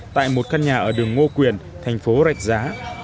tại một căn nhà ở đường ngô quyền thành phố rạch giá